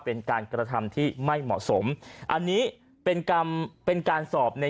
เป็นการกระทำที่ไม่เหมาะสมอันนี้เป็นกรรมเป็นการสอบใน